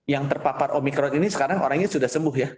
yang terpapar omikron ini sekarang orangnya sudah sembuh ya